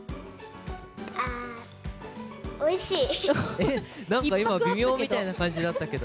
あー、おいしい。